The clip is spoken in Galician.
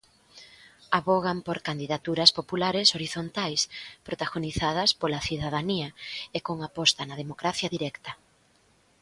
Avogan por candidaturas populares horizontais protagonizadas pola "cidadanía" e con aposta na "democracia directa".